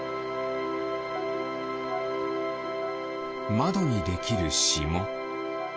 まどにできるしも。